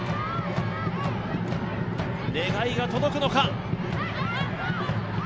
願いが届くのか。